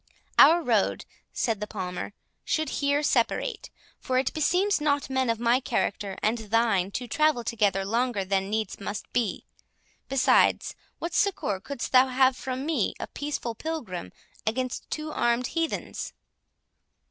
"Our road," said the Palmer, "should here separate; for it beseems not men of my character and thine to travel together longer than needs must be. Besides, what succour couldst thou have from me, a peaceful Pilgrim, against two armed heathens?"